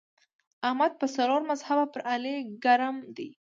احمد په څلور مذهبه پر علي ګرم دی.